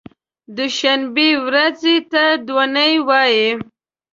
دوشنبې ورځې ته دو نۍ وایی